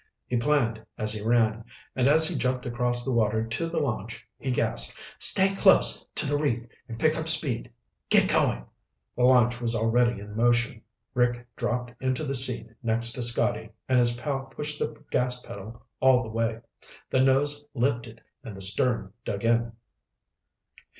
He planned as he ran, and as he jumped across the water to the launch, he gasped, "Stay close to the reef and pick up speed. Get going." The launch was already in motion. Rick dropped into the seat next to Scotty and his pal pushed the gas pedal all the way. The nose lifted and the stern dug in.